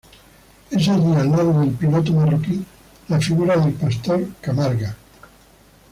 Es allí, al lado del piloto marroquí, la figura del pastor Camarga.